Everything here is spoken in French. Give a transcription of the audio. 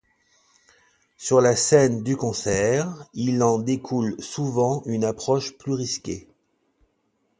Sur la scène du concert, il en découle souvent une approche plus risquée.